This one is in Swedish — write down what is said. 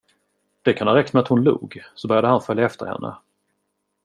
Det kan ha räckt med att hon log, så började han följa efter henne.